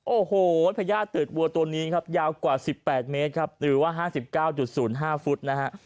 โอ้โหพญาติตืดวัวตัวนี้ยาวกว่า๑๘เมตรหรือว่า๕๙๐๕ฟุต